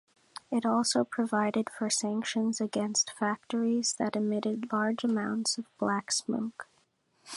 It also provided for sanctions against factories that emitted large amounts of black smoke.